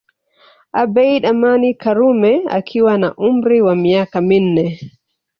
Abeid Amani Karume akiwa na umri wa miaka minne